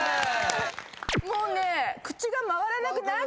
もうね。